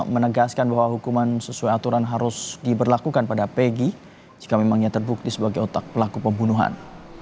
menegaskan bahwa hukuman sesuai aturan harus diberlakukan pada pegi jika memang ia terbukti sebagai otak pelaku pembunuhan